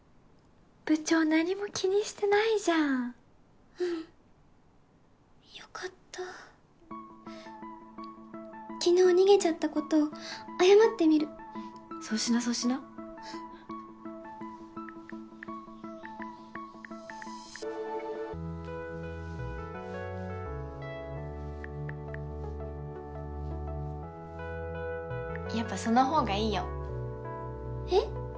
部長何も気にしてないじゃんうんよかった昨日逃げちゃったこと謝ってみるそうしなそうしなうんやっぱその方がいいよえっ？